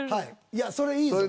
いやそれいいぞ。